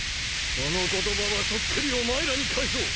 その言葉はそっくりお前らに返そう！